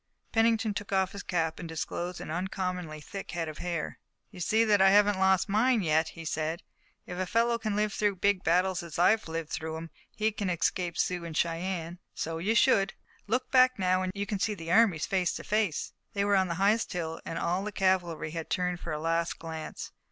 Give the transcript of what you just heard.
Pennington took off his cap and disclosed an uncommonly thick head of hair. "You see that I haven't lost mine yet," he said. "If a fellow can live through big battles as I've lived through 'em he can escape Sioux and Cheyennes." "So you should. Look back now, and you can see the armies face to face." They were on the highest hill, and all the cavalry had turned for a last glance.